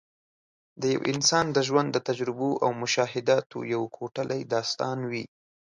د یو انسان د ژوند د تجربو او مشاهداتو یو کوټلی داستان وي.